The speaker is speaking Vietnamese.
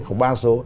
không ba số